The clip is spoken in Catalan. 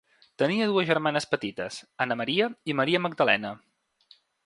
Tenia dues germanes petites, Anna Maria i Maria Magdalena.